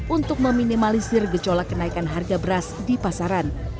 untuk meminimalisir gejolak kenaikan harga beras di pasaran